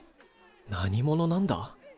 何者なんだ？